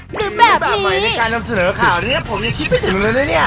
หรือแบบนี้